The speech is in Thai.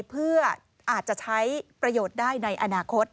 เพื่ออาจจะใช้ประโยชน์ได้ในอนาคต